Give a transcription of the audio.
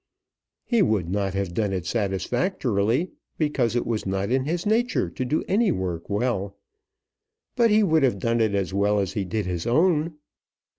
He would not have done it satisfactorily, because it was not in his nature to do any work well, but he would have done it as well as he did his own.